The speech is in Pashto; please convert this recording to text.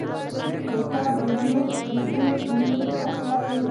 توپک د زوی امید ختموي.